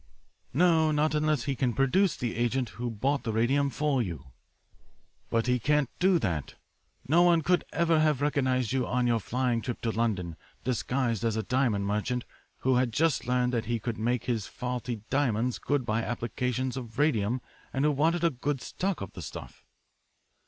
"'No, not unless he can produce the agent who bought the radium for you.' "'But he can't do that. No one could ever have recognised you on your flying trip to London disguised as a diamond merchant who had just learned that he could make his faulty diamonds good by applications of radium and who wanted a good stock of the stuff.'